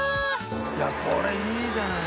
いやこれいいじゃないの。